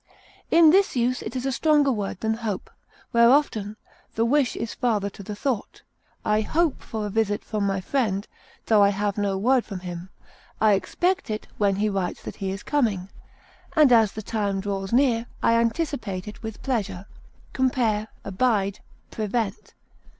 In this use it is a stronger word than hope, where often "the wish is father to the thought." I hope for a visit from my friend, tho I have no word from him; I expect it when he writes that he is coming; and as the time draws near I anticipate it with pleasure. Compare ABIDE; PREVENT.